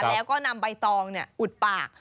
แล้วก็นำใบตองอุดปาก